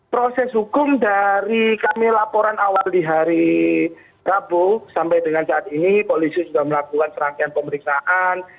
proses hukum dari kami laporan awal di hari rabu sampai dengan saat ini polisi sudah melakukan serangkaian pemeriksaan